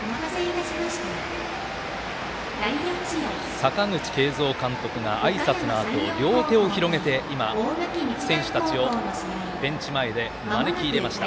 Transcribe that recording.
阪口慶三監督があいさつのあと両手を広げて、今、選手たちをベンチ前へ招き入れました。